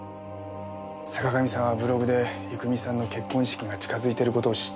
坂上さんはブログで郁美さんの結婚式が近づいている事を知った。